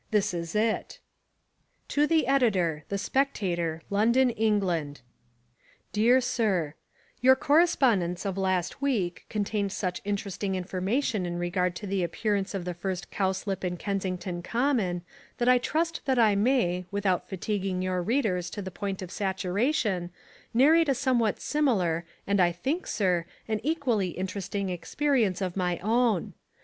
This is it: To the Editor, The Spectator, London, England. Dear Sir, Your correspondence of last week contained such interesting information in regard to the appearance of the first cowslip in Kensington Common that I trust that I may, without fatiguing your readers to the point of saturation, narrate a somewhat similar and I think, sir, an equally interesting experience of my own.